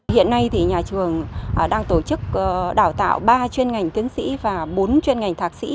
hiện nay thì nhà trường đang tổ chức đào tạo ba chuyên ngành tiếng sĩ và bốn chuyên ngành thạc sĩ